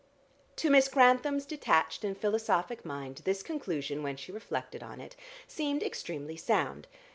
To Miss Grantham's detached and philosophic mind this conclusion, when she reflected on it, seemed extremely sound.